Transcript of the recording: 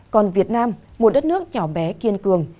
còn việt nam một đất nước nhỏ bé kiên cường